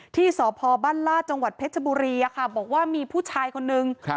ที่สภบรรลาชจเพชรบุรีบอกว่ามีผู้ชายคนหนึ่ง